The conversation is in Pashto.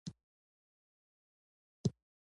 ایا زه باید د قاز غوښه وخورم؟